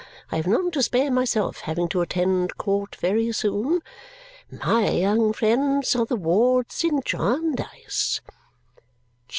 I have none to spare myself, having to attend court very soon. My young friends are the wards in Jarndyce."